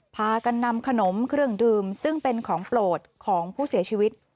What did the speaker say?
พากันนำขนมเครื่องดื่มซึ่งเป็นของโปรดของผู้เสียชีวิต